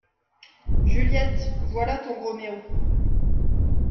Juliette, voilà ton Roméo !